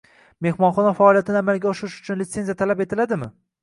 Mehmonxona faoliyatini amalga oshirish uchun litsenziya talab etiladimi?